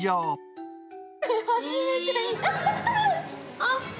あっ！